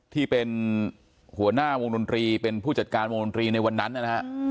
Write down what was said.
ที่เป็นหัวหน้าวงดนตรีเป็นผู้จัดการวงดนตรีในวันนั้นนะฮะ